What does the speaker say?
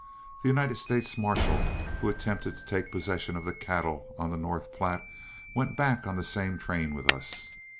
The United States marshal who attempted to take possession of the cattle on the North Platte went back on the same train with us.